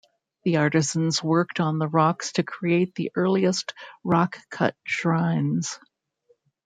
The artisans worked on the rocks to create the earliest rock-cut shrines.